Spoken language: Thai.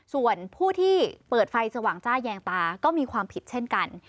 ส่วนผู้ที่เปิดไฟสว่างจ้าแยงตาก็มีความผิดเช่นกัน